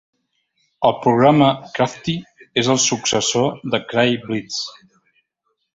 El programa Crafty és el successor de Cray Blitz.